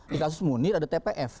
di kasus munir ada tpf